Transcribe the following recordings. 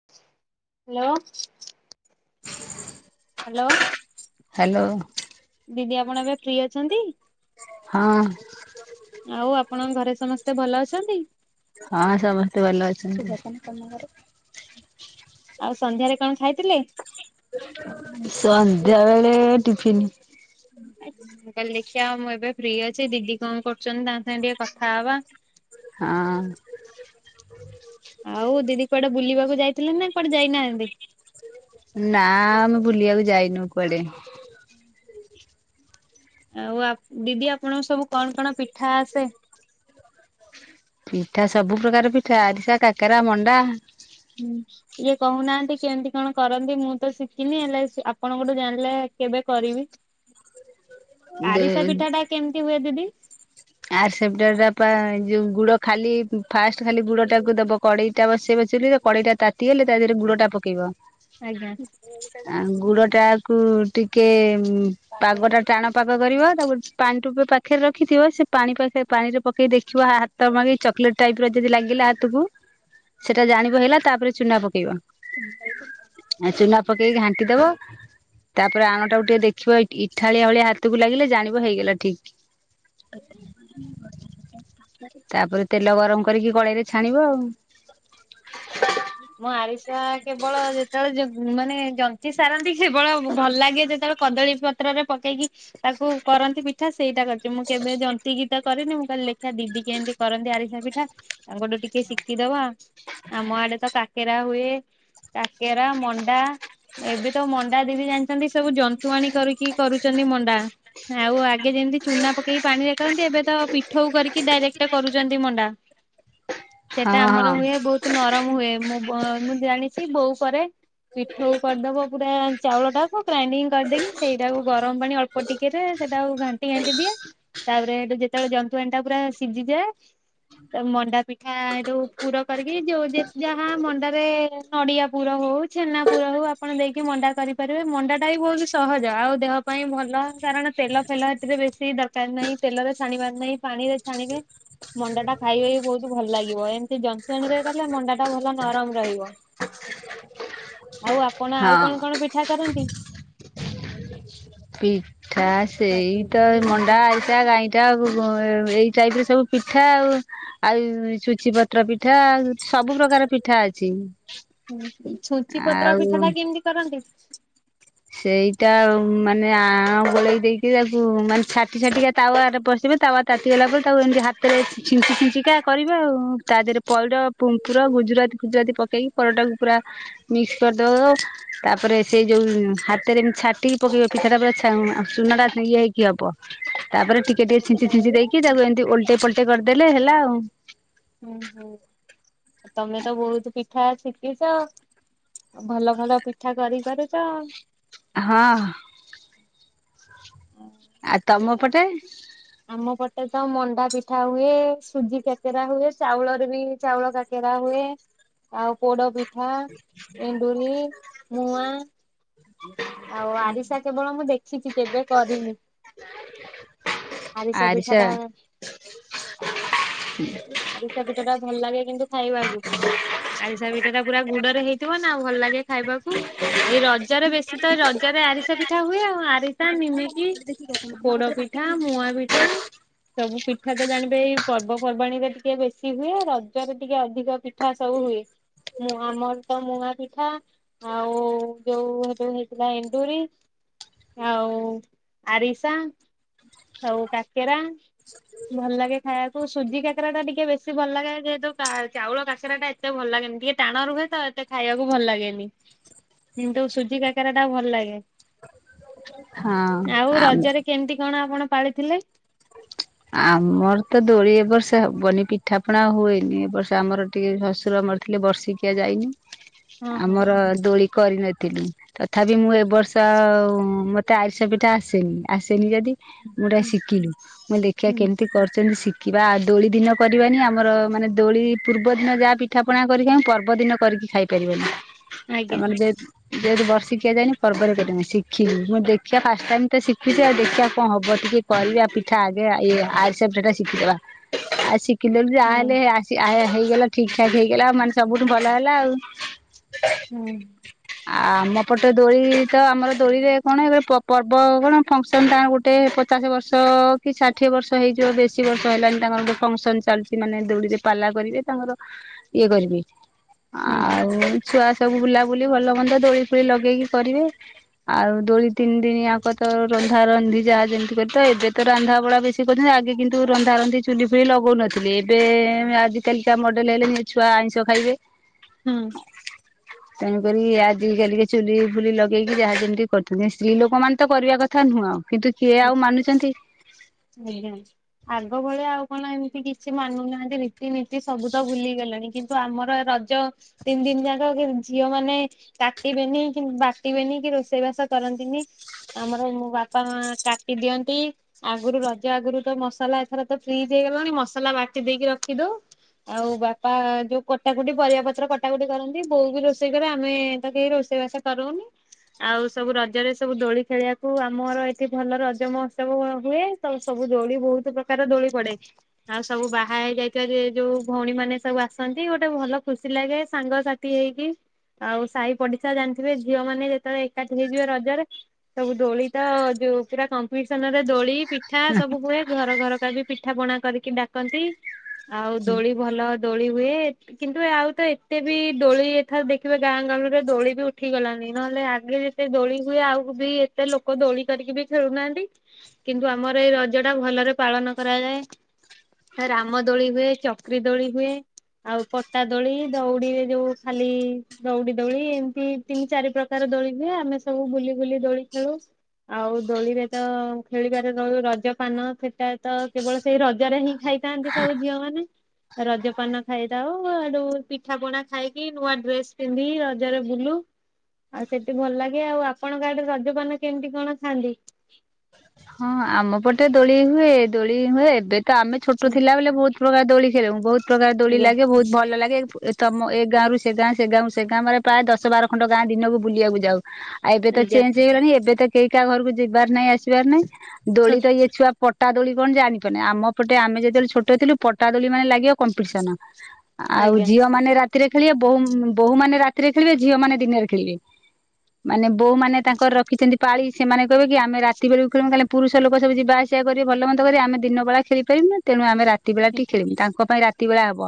Hello. Hello hello ଦିଦି ଆପଣ ଏବେ ଫ୍ରି ଅଛନ୍ତି? ହଁ। ଆଉ ଆପଣଙ୍କ ଘରେ ସମସ୍ତେ ଭଲ ଅଛନ୍ତି? ହଁ ସମସ୍ତେ ଭଲ ଅଛନ୍ତି। ତମ ଘରେ ଆଉ ସନ୍ଧ୍ୟାରେ କଣ ଖାଇଥିଲେ? [inaudible] ସନ୍ଧ୍ୟା ବେଳେ ଟିଫିନ ମୁଁ କହିଲି ଦେଖିବା ଆଉ ମୁଁ ଏବେ ଫ୍ରି ଅଛି ଦିଦି କଣ କରୁଛନ୍ତି। ତାଙ୍କ ସାଙ୍ଗେ ଟିକେ କଥା ହବା। ହଁ। ଆଉ ଦିଦି କୁଆଡେ ବୁଲିବାକୁ ଯାଇଥିଲେ ନା କୁଆଡେ ଯାଇନାହାନ୍ତି? ନା ଆମେ ବୁଲିବାକୁ ଯାଇନୁ କୁଆଡେ। ଆଉ ଆପ ଦିଦି ଆପଣଙ୍କୁ ସବୁ କଣ କଣ ପିଠା ଆସେ? ପିଠା ସବୁ ପ୍ରକାର ପିଠା ଆରିସା, କାକରା, ମଣ୍ଡା। ହୁଁ [inaudible] ଇଏ କହୁନାହାନ୍ତି କେମିତି କଣ କରନ୍ତି। ମୁଁ ତ ଶିଖିନି ହେଲେ ଆପଣଙ୍କଠୁ ଜାଣିଲେ କେବେ କରିବି। ଦେ ଆରିସା ପିଠାଟା କେମିତି ହୁଏ ଦିଦି? ଆରିସା ପିଠା ଟା ପା ଯଉ ଗୁଡ ଖାଲି ଫାଷ୍ଟ ଖାଲି ଗୁଡଟାକୁ ଦବ। କଡେଇଟା ବସେଇବ ଚୁଲିରେ କଡେଇ ଟା ତାତି ଗଲେ ତା ଦେହରେ ଗୁଡଟା ପକେଇବ। ଆଜ୍ଞା। ଆ ଗୁଡଟାକୁ ଟିକେ ପାଗ ଟା ଟାଣ ପାଗ କରିବ ତାକୁ ପାଣି ଟୋପେ ପାଖରେ ରଖିଥିବ ସେ ପାଣି ପକେଇ ପାଣିରେ ପକେଇ ଦେଖିବ ହାତ ମାରି ଚକୋଲେଟ ଟାଇପ ର ଯଦି ଲାଗିଲା ହାତକୁ ସେଟା ଜାଣିବ ହେଲା ତାପରେ ଚୁନା ପକେଇବ। ହୁଁ [inaudible] [inaudible] ଚୁନା ପକେଇକି ଘାଣ୍ଟି ଦବ। ତାପରେ ଆଣଟାକୁ ଟିକେ ଦେଖିବ ଇଠାଳିଆ ଭଳିଆ ହାତକୁ ଲାଗିଲେ ଜାଣିବ ହେଇଗଲା ଠିକ। [inaudible] ତାପରେ ତେଲ ଗରମ କରିକି କଡେଇରେ ଛାଣିବ ଆଉ। ମୋ ଆରିସା କେବଳ ଯେତେବେଳେ ଯେ ମାନେ ଜନ୍ତି ସାରନ୍ତି କେବଳ ଭଲ ଲାଗେ ଯେତେବେଳେ କଦଳୀ ପତ୍ରରେ ପକେଇକି ତାକୁ କରନ୍ତି ପିଠା ସେଇଟା କରି ମୁଁ କେବେ ଯନ୍ତିକି ତ କରେନି ମୁଁ କହିଲି [unintelligible] ଆଚ୍ଛା ଦିଦି କେମିତି କରନ୍ତି ଆରିସା ପିଠା ଆମେ କହିଲୁ ଟିକେ ଶିଖିଦବା ଆମ ଆଡେ ତ କା କେରା ହୁଏ କାକେରା, ମଣ୍ଡା ଏବେ ତ ମଣ୍ଡା ଦିଦି ଜାଣିଛନ୍ତି ସବୁ ଜନ୍ତୁ ଆଣି କରିକି କରୁଛନ୍ତି ମଣ୍ଡା। ଆଉ ଆଗେ ଯେମିତି ଚୁନା ପକେଇକି ପାଣିରେ କରନ୍ତି ଏବେ ତ ପିଠଉ କରିକି ଡାଇରେକ୍ଟ କରୁଛନ୍ତି ମଣ୍ଡା। ସେଟା ହଁ ଆମର ହୁଏ ବହୁତ ନରମ ହୁଏ ମୁଁ ମୁଁ ଜାଣିଛି ବୋଉ କରେ। ପିଠଉ କରିଦବ ପୁରା ଚାଉଳଟାକୁ ଗ୍ରାଇଣ୍ଡିଙ୍ଗ କରିଦେଇକି ସେଇଟାକୁ ଗରମ ପାଣି ଅଳ୍ପ ପଟିକେରେ ସେଟାକୁ ଘାଣ୍ଟି ଘାଣ୍ଟି ଦିଏ। ତାପରେ ଏଠୁ ଯେତେବେଳେ ଜନ୍ତୁ ଆଣିଟା ପୁରା ସିଝିଯାଏ ତ ମଣ୍ଡା ପିଠା ଏଇଠୁ ପୁର କରିକି ଯୋଉ ଯେ ଯାହା ମ ତାରେ ନଡିଆ ପୁର ହଉ ଛେନା ପୁର ହଉ ଆପଣ ଦେଇକି ମଣ୍ଡା କରିପାରିବେ। ମଣ୍ଡା ଟା ବି ବହୁତ ସହଜ ଆଉ ଦେହ ପାଇଁ ଭଲ। କାରଣ ତେଲ ଫେଲ ସେଥିରେ ବେଶୀ ଦରକାର ନାହିଁ ତେଲରେ ଛଣିବାର ନାହିଁ। ପାଣିରେ ଛାଣିବେ ମଣ୍ଡାଟା ଖାଇବେ ବହୁତ ଭଲ ଲାଗିବ ଏମିତି ଯନ୍ତୁଆଣୀରେ ଗଲେ ମଣ୍ଡା ଟା ଭଲ ନରମ ରହିବ ଆଉ ହଁ ଆପଣ ଆଉ ହଁ କଣ କଣ ପିଠା କରନ୍ତି। [unintelligible] ଖାସ ସେଇ ତ ମଣ୍ଡା ଆରିସା ଗାଇଁଠା ଏଇ ଟାଇପର ସବୁ ପିଠା ଆଉ ଆଉ ସୁୁଚି ପତ୍ର ପିଠା ସବୁ ପ୍ରକାର ପିଠା ଅଛି। ଛୁଞ୍ଚି ପତ୍ର ଆଉ ପିଠା ଟା କେମିତି କରନ୍ତି? ସେଇଟା ମାନେ ଆ ଗୋଳେଇ ଦେଇକି ତାକୁ ମାନେ ଛାଟି ଛାଟିକା ତାୱାରେ ପଶିବ ତାୱା ତାତିଗଲା ପରେ ତାକୁ ଏମିତି ହାତରେ ଛିଞ୍ଚି ଛିଞ୍ଚିକା କରିବେ ଆଉ ତା ଦେହରେ ପଇଡ ପୁଙ୍କୁୁରା ଗୁଜୁରାତି ଫୁଜୁରାତି ପକେଇକି ପରଟାକୁ ପୁରା ମିକ୍ସ କରିଦବ ତାପରେ ସେଇ ଯୋଉ ହାତରେ ଏମିତି ଛାଟିକି ପକେଇବ ପିଠାଟା ପୁରା ଚୁନା ଇଏ ହେଇକି ହବ ତାପରେ ଟିକେ ଟିକେ ଛିଞ୍ଚି ଛିଞ୍ଚି ଦେଇକି ତାକୁ ଏମିତି ଓଲଟେ ପଲଟେଇ କରିଦେଲେ ହେଲା ଆଉ। ହୁଁ ହୁଁ ତମେ ତ ବହୁତ ପିଠା ଶିଖିଚ। ଭଲ ଭଲ ପିଠା କରି ପାରୁଚ ହଁ ଆଉ ତମ ପଟେ? ଆମ ପଟେ ତ ମଣ୍ଡା ପିଠା ହୁଏ ସୁଜି କାକେରା ହୁଏ ଚାଉଳରେ ବି ଚାଉଳ କାକ କେରା ହୁଏ ଆଉ ପୋଡପିଠା, ଏଣ୍ଡୁରି, ମୁଆଁ ଆଉ ଆରିସା କେବଳ ମୁଁ ଦେଖିଛି କେବେ କରିନି। ଆରିସା ପିଠା ଟା ଆରିସା ପିଠାଟା ଭଲ ଲାଗେ କିନ୍ତୁ ଖାଇବାକୁ। ଆରିସା ପିଠାଟା ପୁରା ଗୁଡରେ ହେଇଥିବ ନା ଭଲ ଲାଗେ ଖାଇବାକୁ, ଏଇ ରଜରେ ବେଶୀ ତ ରଜରେ ଆରିସା ପିଠା ହୁଏ ଆଉ ଆରିସା, ନିମିକି ପୋଡପିଠା, ମୁଆଁ ପିଠା ସବୁ ପିଠା ତ ଜାଣିବେ ଏଇ ପର୍ବପର୍ବାଣୀରେ ଟିକେ ବେଶୀ ହୁଏ ରଜରେ ଟିକେ ଅଧିକ ପି ପିଠା ସବୁ ହୁଏ ଆମର ତ ମୁଁଆପିଠା ଆଉ ଯୋଉ ଥିଲା ଏଣ୍ଡୁରି ଆଉ ଆରିସା ଆଉ କାକେରା ଭଲ ଲାଗେ ଖାଇବାକୁ ସୁଜି କାକ କରା ଟା ଟିକେ ବେଶୀ ଭଲ ଲାଗେ ଯେହେତୁ ଚାଉଳ କାକରା ଟା ଏତେ ଭଲ ଲାଗେନି ଟିକେ ଟାଣ ରୁହେ ତ ଏତେ [unintelligible] ଖାଇବାକୁ ଭଲ ଲାଗେନି, କିନ୍ତୁ ସୁଜି କା କାକେରା ଟା ଭଲ ଲାଗେ ହଁ ଆଉ ଆମ ରଜରେ କେମିତି କଣ ଆପଣ ପାଳିଥିଲେ? ଆମର ତ ଦୋଳି ଏ ବର୍ଷ ହବନି ପିଠାପଣା ହୁଏନି ଏ ବର୍ଷ ଆମର ଟିକେ ଶଶୁର ମରି ଥିଲେ ବର୍ଷିକିଆ ଯାଇନି ହଁ ହଁ ଆମର ଦୋଳି କରିନଥିଲୁ। ତଥାପି ମୁଁ ଏ ବର୍ଷ ମତେ ଆରିସା ପିଠା ଆସେନି ଆସେନି ଯଦି ମୁଁ ଟା ଶିଖିଲି ମୁଁ କହିଲି ଦେଖିବା କେମିତି କରିଛନ୍ତି ଶିଖିବା ଆଉ ଦୋଳି ଦିନ କରିବାନି ଆମର ମାନେ ଦୋଳି ପୂର୍ବ ଦିନ ଯାହା ପି ପିଠାପଣା କରିକି ପର୍ବଦିନ କରିକି ଖାଇପାରିବନି ଆଜ୍ଞା ତାମାନେ ଯେ ଯେହେତୁ ବର୍ଷିକିଆ ଯାଇନି ପର୍ବରେ କରିହୁଏନି ଶିଖିବି ମୁଁ ଦେଖିବା ଫାଷ୍ଟ ଟାଇମ ତ ଶିଖୁଚି ଆଉ ଦେଖିବାକୁ କଣ ହବ ଟିକେ କରିବା ପିଠା ଆଗେ ଇଏ ଆରିସା ପିଠା ଟା ଶିଖିଦବା ଆ ଶିଖିଦେବୁ ହଁ ଯାହାହଲେ ଆ ଆ ହେଇଗଲା ଠିକ ଠାକ ହେଇଗଲା ଆଉ ମାନେ ସବୁଠୁ ଭଲ ହେଲା ଆଉ। ହୁଁ। ଆଉ ଆମ ପଟେ ଦୋଳି ତ ଆମର ଦୋଳିରେ କଣ ଏ ଗୋଟେ ପର୍ବ କଣ ଫଙ୍କସନ ଟ ଗୋଟେ [unintelligible] ପଚାଶ ବର୍ଷ ଅ କି ଷାଠିଏ ବର୍ଷ ହେଇଯିବ ବେଶୀ ବର୍ଷ ହେଲାଣି ତାଙ୍କର ଗୋଟେ ଫଙ୍କସନ ଚାଲୁଚି ମାନେ ଦୋଳିରେ ପାଲା କରିବେ ତାଙ୍କର ଇଏ କରିବି ହଁ ହଁ ଆଉ ଛୁଆ ସବୁ ବୁଲାବୁଲି ଭଲ ମନ୍ଦ ଦୋଳି ଫୋଳି ଲଗେଇକି କରିବେ। ଆଉ ଦୋଳି ତିନି ଦିନିଆକ ତ ରନ୍ଧା ରନ୍ଧି ଯା ଯେମିତି କରି ତ ଏବେ ତ ରନ୍ଧାବଳା ବେଶୀ କରୁଚନ୍ତି ଆଗେ କିନ୍ତୁ ରନ୍ଧାରନ୍ଧି ଚୁଲି ଫୁଲି ଲଗଉନଥିଲେ ଏବେ ଆଜିିକାଲିକା ମଡେଲ ହେଲେଣି ଏ ଛୁଆ ଆଇଁଷ ଖାଇବେ। ହୁଁ। ତେଣୁକରି ଆଜି କାଲିକେ ଚୁଲି ଫୁଲି ଲଗେଇକି ଯାହା ଯେମିତି କରୁଛନ୍ତି ସ୍ତ୍ରୀ ଲୋକମାନେ ତ କରିବା କଥା। କଥା ନୁହଁ ଆଉ କିନ୍ତୁ କିଏ ଆଜ୍ଞା ଆଉ ମାନୁଛନ୍ତି। ଆଜ୍ଞା ଆଗ ଭଳିଆ ଆଉ କଣ ଏମିତି କିଛି ମାନୁନାହାନ୍ତି। ରୀତି ନୀତି ସବୁ ତ ଭୁଲିଗଲେଣି କିନ୍ତୁ ଆମର ରଜ ତିନି ଦିନ ଯାକ ଝିଅ ମାନେ। କାଟିବେନି କି ବାଟିବେନି କି ରୋଷେଇ ବାସ କରନ୍ତିନି ଆମର ମୋ ବାପା ମା। କାଟି ଦିଅନ୍ତି। ଆଗରୁ ରଜ ଆଗରୁ ତ ମସଲା ଏଥର ତ ଫ୍ରିଜ୍ ହେଇଗଲାଣି ମସଲା ବାଟି ଦେଇକି ରଖିଦଉ। ଆଉ ବାପା ଯୋଉ କଟା କଟି ପରିବା ପତ୍ର କଟା କଟି କରନ୍ତି ବୋଉ ବି ରୋଷେଇ କରେ ଆମେ ତା କେହି ରୋଷେଇବାସ କରୁନି ଆଉ ସବୁ ରଜରେ ସବୁ ଦୋଳି ଖେଳିବାକୁ ଆମର ଏଠୀ। ଭଲ ରଜ ମହୋତ୍ସବ ହୁଏ ତ ସବୁ ଦୋଳି ବହୁତ ପ୍ରକାର ଦୋଳି ପଡେ। ଆଉ ସବୁ ବାହା ହେଇ ଯାଇଥିବା ଯେ ଯୋଉ ଭଉଣୀ ମାନେ ସବୁ ଆସନ୍ତି ଗୋଟେ ଭଲ ଖୁସି ଲାଗେ ସାଙ୍ଗସାଥି ହେଇକି ଆଉ ସାହି ପଡିଶା ଜାଣିଥିବେ ଝିଅ ମାନେ ଯେତେବେଳେ ଏକାଠି ହେଇଯିବେ ରଜରେ ସବୁ ଦୋଳି ତ ଯୋଉ। ପୁରା କମ୍ପିଟିସନ ରେ ଦୋଳି ପିଠା ସବୁ ହୁଏ ଘର ଘର କା ବି ପିଠା ପଣା କରିକ ଡ଼ା ରନ୍ତି ଆଉ ଦୋଳି ଭଲ ଦୋଳି ହୁଏ। କିନ୍ତୁ ଆଉ ତ ଏତେ ବି ଦୋଳି ଏଥର ଦେଖିବ ଗାଁ ଗାଳି ରେ ଦୋଳି ବି ଉଠିଗଲଣିି ନହେଲେ ଆଗେ ଯେ ସେ ଦୋଳି ହୁଏ ଆଉକୁ ବି ଏତେ ଲୋକ ଦୋଳି କରିକି ବି ଖେଳୁନାହାନ୍ତି କିନ୍ତୁ ଆମର ଏଇ ରଜ ଟା ଭଲରେ ପାଳନ କରାଯାଏ। ରାମ ଦୋଳି ହୁଏ ଚକ୍ରି ଦୋଳି ହୁଏ। ଆଉ ପଟା ଦୋଳି ଦଉଡିରେ ଯୋଉ ଖାଲି ଦଉଡି ଦଉଳି ଏମିତି ତିନି ଚାରି ପ୍ରକାର ଦୋଳି ହୁଏ ଆମେ ସବୁ ବୁଲି ବୁଲି ଦୋଳି ଖେଳୁ ଆଉ ଦୋଳିରେ ତ ଖେଳିବାରେ ରହୁ ରଜପାନ ସେଟା ତ କେବଳ ସେଇ ରଜରେ ହିଁ ଖାଇ ଖାଇଥାନ୍ତି ସବୁ ଝିଅ ମାନେ। ରଜ ପାନ ଖାଇଥାଉ ଆଡୁ ପିଠା ପଣା ଖାଇକି ନୂଆ ଡ୍ରେସ ପିନ୍ଧିକ ରଜରେ ବୁଲୁ। ଆଉ ସେଠି ଭଲ ଲାଗେ ଆଉ ଆପଣଙ୍କାଡରେ ରଜପାନ କେମିତି କଣ ଖାଆନ୍ତି। ହଁ ଆମ ପଟେ ଦୋଳି ହୁଏ ଦୋଳି ହୁଏ ଏବେ ତ ଆମେ ଛୋଟ ଥିଲା ବ ବହୁତ ପ୍ରକାର ଦୋଳି ଖେଳ ମୁୁ ବହୁତ ପ୍ରକାର ଦୋଳି ଆଜ୍ଞା ଲାଗେ ବହୁତ ଭଲ ଲାଗେ। ଏ ତମ ଏ ଗାଁ ରରୁ ସେ ଗାଁ ସେ ଗାଁ ସେ ଗାଁରେ ପ୍ରାୟ ଦଶ ବାର ଖଣ୍ଡଟ ଗାଁ ଦିନକୁ ବୁଲିବାକୁ ଯାଉ। ଆଉ ଏବେ ତ ଆଜ୍ଞା ଚେଞ୍ଜ ହେଇଗଲାଣି ଏବେ ତ କେହି କାହା ଘରକୁ ଯିବାର ନାହିଁ ଆସିବାର ନାହିଁ ଦୋଳି ତ ଇଏ ଛୁଆ ପଟା ଦୋଳି କଣ ଜାଣିପାରୁନି ଆମ ପଟେ ଆମେ ଯେତେବେଳେ ଛୋଟ ଥିଲୁ ପଟା ଦୋଳି ମାନେ ଲାଗିବ କମ୍ପିଟିସନ। ଆଉ ଆଜ୍ଞା ଝିଅ ମାନେ ରାତିରେ ଖେଳିବେ ବ ବୋୂ ମାନେ ରାତିରେ ଖେଳିବେ ଝିଅ ମାନେ ଦିନରେ ଖେଳିବେ। ମାନେ ବୋଉମାନେ ତାଙ୍କର ରଖିଛନ୍ତି ପାଳି ସେମାନେ କହିବେ କି ଆମେ ରାତି ବେଳକୁ। ଖ କାଲି ପୁରୁଷ ଲୋକ ସବୁ ଯିବାଆସିବା କରିବେ ଭଲ ମନ୍ଦ କରିବେ ଆମେ ଦିନ ବେ ଖେଳିପାରମ ନା ତେଣୁ ଆମେ ରାତି ବେଳା ଟିକେ ଖେଳମୁ ତାଙ୍କ ପାଇଁ ରାତି ବେଳା ହବ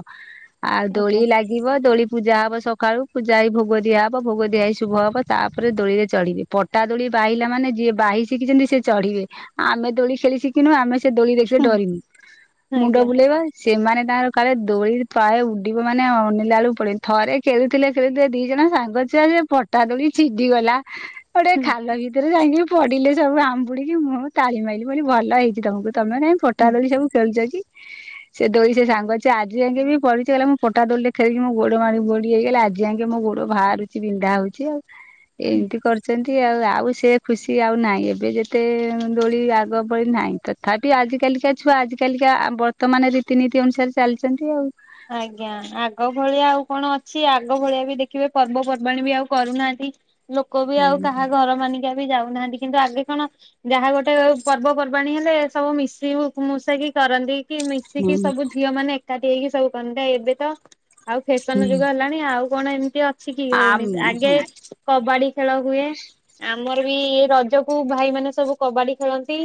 ଆଉ ଦୋଳି ଆଜ୍ଞା ଲାଗି ଯିବ ଦୋଳି ପୂଜା ହବ ସକାଳୁ ପୂଜା ହେଇ ଭୋଗ ଦିଆହବ ଭୋଗ ଦିଆ ହେଇ ଶୁଭ ହବ ତାପରେ ଦୋଳିରେ ଚଳିବି ପଟ ପଟା ଦୋଳି ବାହିଲା ମାନେ ଯିଏ ବାହି ଶିଖିଛନ୍ତି ସେ ଚଢିବେ ଆମେ ଦୋଳି ଖେଳି ଶିଖିନୁ ଆମେ ସେ ଦୋଳି ଦେଖିଲେ ଡରିନୁ ମୁଣ୍ଡ ଆଜ୍ଞା। ବୁଲେଇବା। ସେମାନେ ତାଙ୍କର କାଳେ ଦୋଳି ପ୍ରାୟ ଉଡିବ ମାନେ ଅନଣିଲା ବେଳକୁ ପଡନି ଥରେ ଖେଳୁଥିଲେ ଖେଳୁ ଥିଲେ ଦି ଜଣ ସାଙ୍ଗ ଛୁଆ ଯେ ଫଟା ଦୋଳି ଛିଡିଗଲା। ଗୋଟେ ଖାଲ ଭିତରେ ଯାଇକି ପଡିଲେ ସବୁ ଆମ୍। ପୁଡିକି ମୁଁ ତାଳିମାଇଲି ବୋଲି ଭଲ ହେଇଛି ତମକୁ ତମେ ନାଇଁ ଫୋଟା ହୁଁ ଦୋଳି ସବୁ ଖେଳଛ କି। ସେ ଦୋଳି ସେ ସାଙ୍ଗ ଛୁଆ ଆଜି ଯାଇକ ବି ପଢିଚି ଗଲା ମୁଁ ପଟା ଦୋଳି ଖେଳିକି ମୁଁ ଗୋଡ ମାଡି ମୋଡି ହେଇଗଲା ଆଜି ଆଜିଯାଙ୍କେ ଗୋଡ ବାହାରୁଛି ବିନ୍ଧା ହୋଉଚି ଆଉ। ହୁଁ। ଏମିତି କରିଚନ୍ତି ଆଉ ଆଉ ସେ ଖୁସି ଆଉ ନାହିଁ ଏବେ ଯେ ଏତେ ଦୋଳି ଆଗ ଭଳି ନାହିଁ ତଥାପି ଆଜି କାଲିକା ଛୁଆ ଆଜିକାଲିକା ଆବ ତ ମାନେ ରୀତିନୀତି ଅନୁସାରେ ଚାଲିଚନ୍ତି ଆଉ। ଆଜ୍ଞା ଆଗ ଭଳିଆ ଆଉ କଣ ଅଛି ଆଗ ଭଳିଆ ବି ଦେଖିବେ ପର୍ବପର୍ବାଣ ବି ଆଉ କରୁନାହାନ୍ତି। ଲୋକ ବି ହୁଁ ଆଉ କାହା ଘର ମାନିକାଆ ବି ଯାଉନାହାନ୍ତି କିନ୍ତୁ ଆଗେ କଣ ଯାହା ଗୋଟେ ପର୍ବପର୍ବାଣୀ ହେଲେ ସବୁ ମିଶି ମୁଶେଇକି କରନ୍ତି। କି ହୁଁ ମିଶିକି ସବୁ ଝିଅ ମାନେ ଏକାଠି ହେଇକି ସବୁ କରନ୍ତି ଏବେ ତ ଆଉ ହୁଁ ଫ୍ୟାସନ ଯୁଗ ହେଲାଣି ଆଉ କଣ ଏମିତି ଅ କିଛି କି ଆମ ହୋଉନି ଆଗେ ହଁ କବାଡି ଖେଳ ହୁଏ। ଆମର ବି ଏ ରଜ କୁ ଭାଇ ମାନେ ସବୁ କବାଡି ଖେଳନ୍ତି।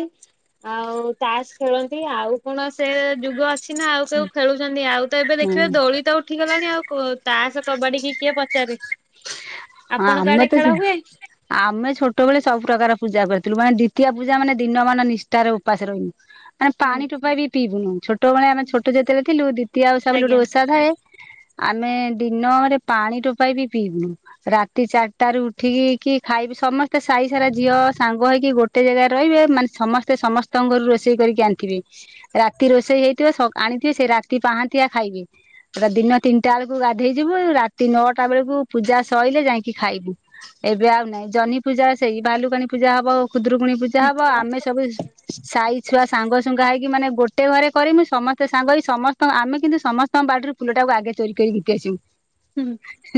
ଆଉ ତାସ୍ ଖେଳନ୍ତି ଆଉ କଣ ସେ ଯୁଗ ଅଛି। ନା ଆଉ କୋଉ ଖେଳୁଚନ୍ତି ଆଉ ତ ଏବେ ଦେଖିବେ ହଁ ଦୋଳି ସବୁତ ଉଠିଗଲାଣି ଆଉ ତାସ କବାଡିକି କିଏ ପଚାରେ। ଆପଣ ଆମେ କାଆଡେ ତ ସେ ଖେଳ ହୁଏ? ଆମେ ଛୋଟବେଳେ ସବୁ ପ୍ର୍ରକାର ପୂଜା କରିଥିଲୁ ମାନେ ଦ୍ୱିତୀୟ ପୂଜା ମାନେ ଦିନ ମାନେ ନିଷ୍ଠାରେ ଉପାସ ରହିମୁ। ଆାନେ ପାଣି ଟୋପାଏବି ପିଇବୁନୁ ଛୋଟବେଳେ ଆମେ ଛୋଟ ଯେତେବେଳେଥିଲୁ ଦ୍ୱିତୀୟ ଓଷା ବୋଲି ଗୋଟେ ଆଜ୍ଞା ଓଷା ଥାଏ। ଆମେ ଦିନରେ ପାଣି ଟୋପାଏ ବି ପିଇବୁନୁ। ରାତି ଚାରିଟା ର ଉଠିକି କି ଖାଇି ସମସ୍ତେ ସାଇ ସାରା ଝିଅ ସାଙ୍ଗ ହେଇକି ଗୋଟେ ଏତେ ଜାଗାରେ ରହିବେ ମାନେ ସମସ୍ତେ ସମସ୍ତଙ୍କରୁ ରୋଷେଇ କରିକି ଆଣିଥିବେ ରା କି ରୋଷେଇ ହେଇଥିବ ଆଣିଥିବେ ସେ ରାତି ପାହାନ୍ତିଆ ଖାଇବେ। ସେଟା ଦିନ ତିନିଟା ବେଳକୁ ଗାଧେଇ ଯିବୁ ରାତି ନଅଟା ବେଳକୁ ପୂଜା ଶଇଲେ ଯାଇକି ଖାଇବି ଏବେ ଆଉ ନାଇଁ ଜନି ପୂଜା ସେଇ ଭାଲୁକାଣି ପୂଜା ହବ କ ଖୁଦରୁକୁଣୀ ପୂଜା ହବ ଆମେ ସବୁ ସାଇ ଛୁଆ ସାଙ୍ଗସୁଙ୍ଗା ହେଇକି ମାନେ ଗୋଟେ ଘରେ କରି ମୁ ସମସ୍ତେ ସାଙ୍ଗ ହେଇକି ସମସ୍ତଙ୍କ ଆମେ କିନ୍ତୁ ସମସ୍ତେ ତାଙ୍କ ବାଡିରୁ ଫୁଲଟାକୁ ଆଗେ ଚୋରି କରିକି ଘିତି ଆସିବୁ। ହୁଁ।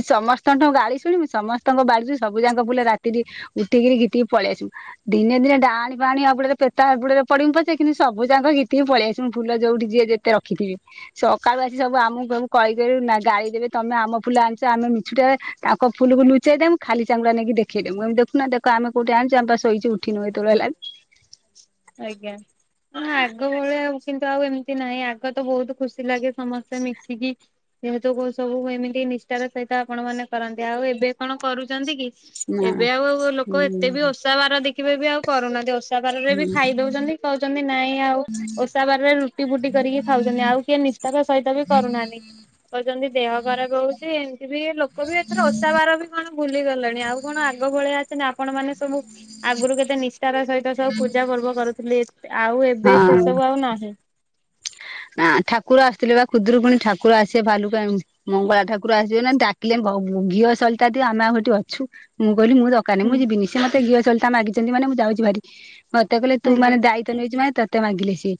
ସମସ୍ତଙ୍କଠୁ ଗାଳି ଏସୁଣି ସମସ୍ତଙ୍କ ବାଡିରୁ ସବୁ ଯାକ ଫୁଲ ରାତିରେ ଉଠିକିରି ଗିଟିକିରି ପଳେଇ ଆସିବୁ। ଦିନେ ଦିନେଡାଣି ପାଣି ଆବୁଡରେ ପେତ ହାବୁଡରେ ପଡିିମୁଁ ପଛେ କିନ୍ତୁ ସବୁ ଯାଙ୍କ ଗୀତିକି ପଳେଇଆସିବୁ ମୁଁ ଫୁଲ ଯୋଉଠି ଯିଏ ସେ ରଖିଥିବେ। ସକାଳୁ ଆସି ସବୁ ଆମକୁ ସବୁ କହିିବ ନା ଗାଳି ଦେବେ ତମେ ଆମ ଫୁଲ ଆଣିଛ ଆମେ ମିଛୁଟାରେ ତାଙ୍କ ଫୁଲକୁ ଲୁଚେଇ ଦେବୁ ଖାଲି ଚାଙ୍ଗୁଡା ନେଇକି ଦେଖେଇ ଦେବୁ ଏମି ଦେଖୁ ଦେଖ ଆମେ କୋଉଠି ଆଣିଚୁ ଆମ ପା ଶୋଇଛୁ ଉଠି ନୁ ଏତେବେ ହେଲାଣି। ଆଜ୍ଞା। ହଁ ଆଗ ଭଳିଆ ଆଉ କିନ୍ତୁ ଆଉ ଏମିତି ନାହିଁ ଆଗ ତ ବୋହୁତ ଖୁସି ଲାଗେ ସମସ୍ତେ ମିଶିକି ଯେହେତୁ କୋଉ ସବୁ ଏମିତି ନିଷ୍ଠାର ସହିତ ଆପଣ ମାନେ କରନ୍ତି ଆଉ ଏବେ କଣ କରୁଚନ୍ତି କି? ନା ଏବେ ଆଉ ଲୋକ ଏତେ ବି ହୁଁ ଓଷା ବାର ଦେଖିବେ ବି ଆଉ କରୁନାହାନ୍ତି ଓଷା ବାରରେ ବି ଖାଇଦୋଉଚନ୍ତି। କୋହୁଚନ୍ତି ନାଇଁ ଆଉ ଓଷା ବାରରେ ରୁଟି ଫୁଟି କରିକି ଖାଉଚନ୍ତି ଆଉ କିଏ ନିଷ୍ଠାପ ସହିତ ବି କରୁନାହାନ୍ତି। କହୁଚନ୍ତି ଦେହ ଖରାପ ହୋଉଚ ଏମିତି ବି ଲୋକ ବି ଏଥର ଓଷା ବାର ବି କଣ ଭୁଲିଗଲେଣି ଆଉ କଣ ଆଗ ଭଳିଆ ଅଛ ନା ଆପଣ ମାନେ ସବୁ ଆଗରୁ କେତେ ନିଷ୍ଠାର ସହିତ ସବୁ ପୂଜା ପର୍ବ କରୁଥିଲେ ଆଉ ଏବେ ସେ ହଁ। ସବୁ ଆଉ ନାହିଁ। ନା ଠାକୁର ଆସିଥିଲେ ବା ଖୁଦୁରୁକୁଣି ଠାକୁର ଆସିବେ ଭାଲୁକା ମଙ୍ଗଳା ଠାକୁର ଆସିବେ ନା ଡାକିଲେ ଘିଅ ସଳତା ଦିଅ ଆମେ ଆଉୋଠି ଅଛୁ ମୁଁ କହିଲି ମୁଁ ତଖ ହୁଁ ମୁଁ ଯିବିନି ସେ ମତେ ଘିଅ ସଲିତା ମାଗିଚନ୍ତି ମାନେ ମୁଁ ଯାଉଛି ଭାରି ମତେ କଇଲେ ତୁ ଆଜ୍ଞା ମାନେ ଯ ଦାୟିତ୍ୱ ନେଇଚୁ ମାନେ ତତେ ମାଗିଲେ ସିଏ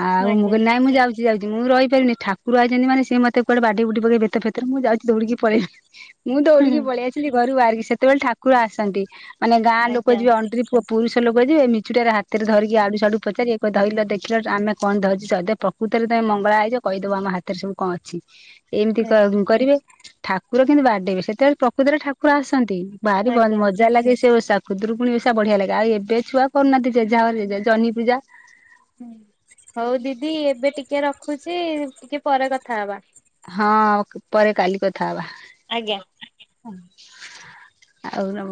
ଆଉ ମୁଁ ଆଜ୍ଞା ନାଇ ମୁଁ ଯାଉଛି ଯାଉଛିଁ ମୁଁ ରହିପାରିବିନି ଠାକୁର ଆଇଛନ୍ତି ମାନେ ସେ ମତେ କୁଆଡେ ବାଡିଇ ବୁଡେଇ ପକେଇ ବେତ ଫେତରେ ମୁଁ ଯଉଛି ଦୌଡିକି ପେଲେଇବି। ହଁ [inaudible] ମୁଁ ଦୌଡିକି ହୁଁ ପଳେଇଆସଥିଲି ଘରୁ ବାହାରିକି ସେତେବେଳେ ଠାକୁର ଆସନ୍ତି ମାନେ ଗାଁ ଲୋକ ଆଜ୍ଞା ଯିବେ ଅଣ୍ଟ ପ ପୁରୁଷ ଲୋକ ଯିବେ ମିଛୁଟାରେ ହାତରେ ଧରିକି ଆଡୁ ସଡୁ ପଚାରିବେ ଏକ ଧଇଲ ଦେଖିଲ ଆମେ କଣ ଧରିଛୁ। ସ ପ୍ରକୃତରେ ତମେ ମଙ୍ଗଳା ହେଇଛ କହିଦବ ଆମ ହାତରେ ସବୁ କଣ ଅଛି? ଏମିତି ଆଜ୍ଞା କରିବେ ଠାକୁର କିନ୍ତୁ ବାଡେଇବେ ସେତେବେଳେ ପ୍ରକୃତରେ ଠାକୁର ଆସନ୍ତି। ଭାରି ଭ ଆଜ୍ଞା। ମଜା ଲାଗେ ସେ ଓଷା। ଖୁଦୁରୁକୁଣି ଓଷା ବଢିଆ ଲାଗେ ଆଉ ଏବେ ଛୁଆ କରୁନାହାନ୍ତି ଯେ ଯାହା ଜହ୍ନି ପୂଜା ହଉ ଦିଦି ଏବେ ଟିକେ ରଖୁଛି ଟିକେ ପରେ କଥା ହବା। ହଁ ପରେ କାଲି କଥା ହବା। ଆଜ୍ଞା ହ ଆଉ [inaudible]